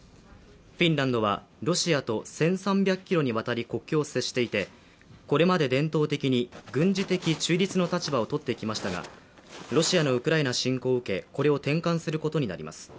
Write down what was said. フィンランドはロシアと１３００ｋｍに渡り国境を接していてこれまで伝統的に軍事的中立の立場を取ってきましたがロシアのウクライナ侵攻を受けこれを転換することになります。